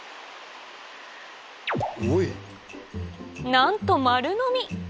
なんと丸のみ！